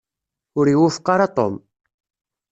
Ur iwufeq ara Tom.